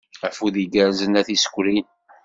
Afud igerrzen a tisekrin.